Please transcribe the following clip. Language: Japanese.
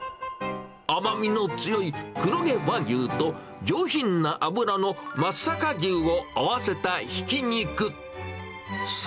甘みの強い黒毛和牛と、上品な脂の松阪牛を合わせたひき肉。